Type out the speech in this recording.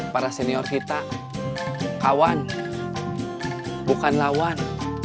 para senior kita kawan bukan lawan